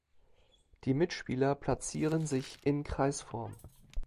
Die Mitspieler platzieren sich in Kreisform.